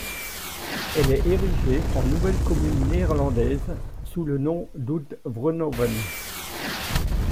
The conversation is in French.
Elle est érigée en nouvelle commune néerlandaise, sous le nom d'Oud-Vroenhoven.